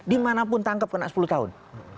dimanapun tangkap kena sepuluh tahun